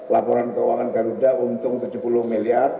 laporan keuangan garuda untung tujuh puluh miliar